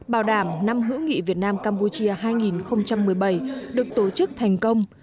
bảo đảm năm hữu nghị việt nam campuchia hai nghìn một mươi bảy được tổ chức thành công